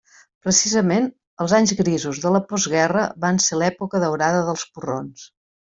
Precisament, els anys grisos de la postguerra van ser l'època daurada dels porrons.